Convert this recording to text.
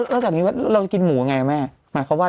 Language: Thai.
แล้วจากนี้เราจะกินหมูยังไงแม่หมายความว่า